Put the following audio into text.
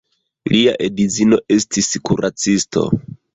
Lia edzino estis kuracisto.